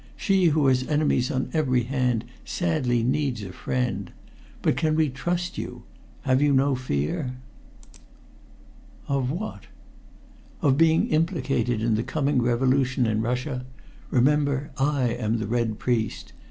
She, who has enemies on every hand, sadly needs a friend. But can we trust you have you no fear?" "Of what?" "Of being implicated in the coming revolution in Russia? Remember I am the Red Priest.